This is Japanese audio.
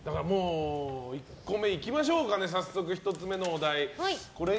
１個目いきましょうか早速１つ目のお題。